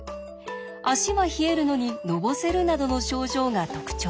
足は冷えるのにのぼせるなどの症状が特徴です。